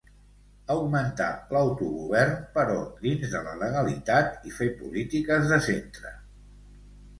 Augmentar l'autogovern però dins de la legalitat i fer polítiques "de centre".